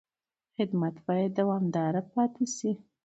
خدمت باید دوامداره پاتې شي.